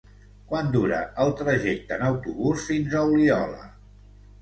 Quant dura el trajecte en autobús fins a Oliola?